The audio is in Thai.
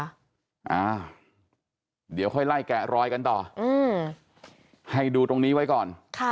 อ่าเดี๋ยวค่อยไล่แกะรอยกันต่ออืมให้ดูตรงนี้ไว้ก่อน